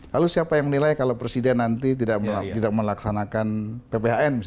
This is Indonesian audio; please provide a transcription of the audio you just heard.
lalu siapa yang menilai kalau presiden nanti tidak melaksanakan pphn